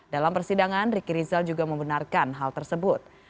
dalam persidangan rikirizal juga membenarkan hal tersebut